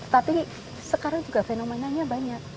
tapi sekarang juga fenomenanya banyak